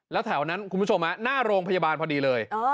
แล้วแถวนั้นคุณผู้ชมหน้าโรงพยาบาลพอดีเลย